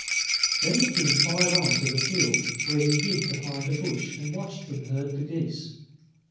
Then the King followed on to the field, where he hid behind a bush and watched them herd the geese.